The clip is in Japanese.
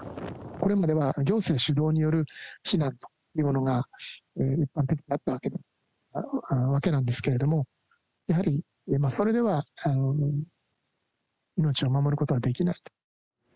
これまでは行政主導による避難というものが一般的であったわけなんですけれども、やはりそれでは命を守ることはできないと。